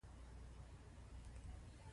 دوی یوازې په ځینو برخو کې متفاوت دي.